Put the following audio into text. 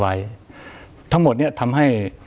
ไว้ทั้งหมดนี่ทำให้